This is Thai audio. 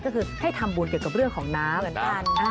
ก็คือให้ทำบุญเกี่ยวกับเรื่องของน้ำ